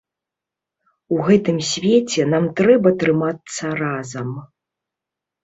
У гэтым свеце нам трэба трымацца разам.